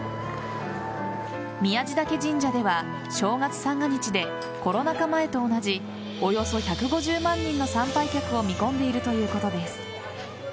宮地嶽神社では、正月三が日でコロナ禍前と同じおよそ１５０万人の参拝客を見込んでいるということです。